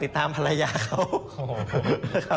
ตามภรรยาเขา